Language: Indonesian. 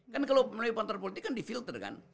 kan kalau melalui partai politik kan di filter kan